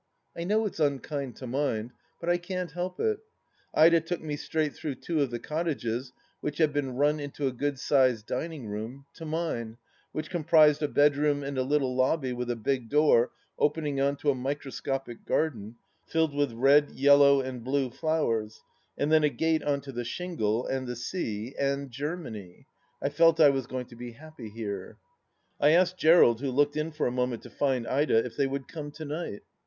I know it's unkind to mind, but I can't help it. Ida took me straight through two of the cottages which have been nm into a good sized dining room, to mine, which comprised a bedroom and a little lobby with a big door opening on to a microscopic garden filled with red, yellow, and blue flowers, and then a gate on to the shingle — and the sea — ^and (Jermany ! I felt I was going to be happy here. I asked Gerald, who looked in for a moment to find Ida, if they would come to night